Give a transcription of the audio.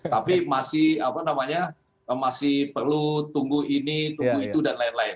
tapi masih perlu tunggu ini tunggu itu dan lain lain